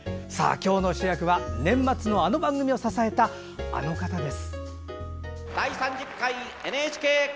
今日の主役は年末のあの番組を支えたあの方です。